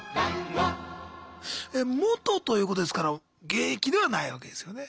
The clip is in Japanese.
元ということですから現役ではないわけですよね？